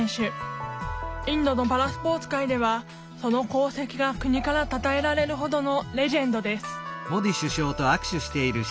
インドのパラスポーツ界ではその功績が国からたたえられるほどのレジェンドです